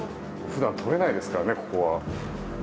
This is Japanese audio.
普段撮れないですからねここは。